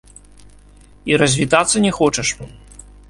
І развітацца не хочаш?